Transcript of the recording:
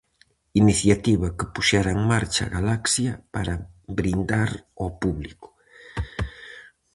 Iniciativa que puxera en marcha Galaxia para brindar ao público.